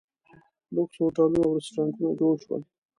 لوکس هوټلونه او ریسټورانټونه جوړ شول.